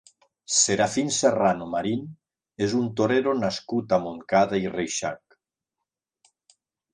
Serafín Serrano Marín és un torero nascut a Montcada i Reixac.